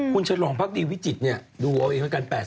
คุณชโรงพักดีวิทยุติดูเอาไว้เหมือน๘๕แล้ว